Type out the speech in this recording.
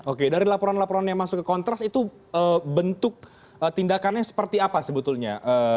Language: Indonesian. oke dari laporan laporan yang masuk ke kontras itu bentuk tindakannya seperti apa sebetulnya